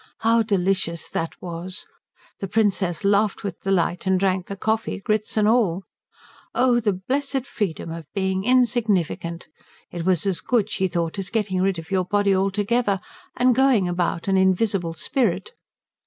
How delicious that was. The Princess laughed with delight and drank the coffee, grits and all. Oh, the blessed freedom of being insignificant. It was as good, she thought, as getting rid of your body altogether and going about an invisible spirit.